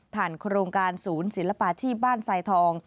ผ่านโครงการศูนย์ศิลปาที่บ้านไซทอง